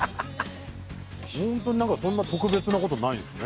ホントにそんな特別なことないんですね